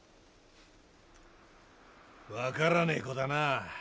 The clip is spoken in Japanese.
分からねえ子だなあ。